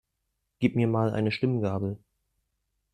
Gib mir mal eine Stimmgabel.